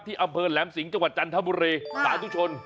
อำเภอแหลมสิงห์จังหวัดจันทบุรีสาธุชน